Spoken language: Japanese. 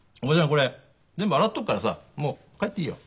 これ全部洗っとくからさもう帰っていいよ。ね。